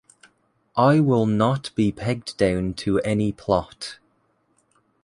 I will not be pegged down to any plot.